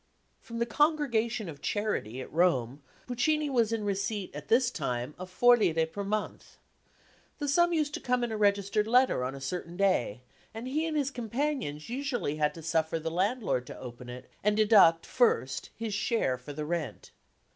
From the Congregation of Charity at Rome, Puccini was in receipt at this time of £4 per month. The sum used to come in a registered letter on a certain day, and he and his companions usually had to suffer the landlord to open it and deduct, first, his share for the rent.